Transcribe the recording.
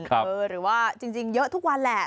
หรือว่าจริงเยอะทุกวันแหละ